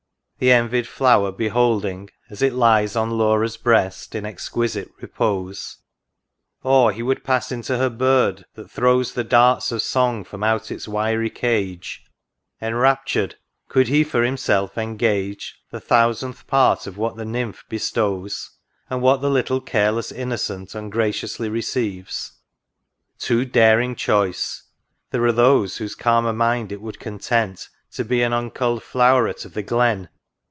The envied flower beholding, as it lies On Laura's breast, in exquisite repose ; Or he would pass into her Bird, that throws The darts of song from out its wiry cage ; Enraptured, — could he for himself engage The thousandth part of what the Nymph bestows, And what the little careless Innocent Ungraciously receives. Too daring choice I There are whose calmer mind it would content To be an uncuUed flow'ret of the glen.